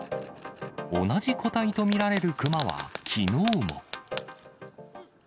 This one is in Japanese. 同じ個体と見られる熊は、きのうも。